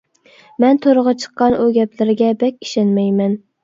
مەن تورغا چىققان ئۇ گەپلەرگە بەك ئىشەنمەيمەن.